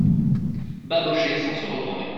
Babochet sans se retourner.